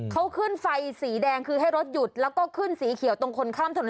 เขาขึ้นไฟสีแดงคือให้รถหยุดแล้วก็ขึ้นสีเขียวตรงคนข้ามถนน